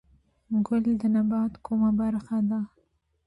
ګل د نبات کومه برخه ده؟